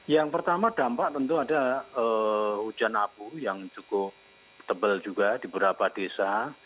yang pertama dampak tentu ada hujan abu yang cukup tebal juga di beberapa desa